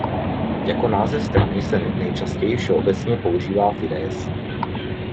Jako název strany se nejčastěji všeobecně používá Fidesz.